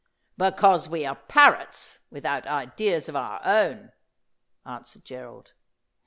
' Because we are parrots, without ideas of our own,' answered Gerald.